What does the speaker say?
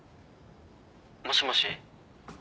もしもし？